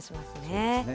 そうですね。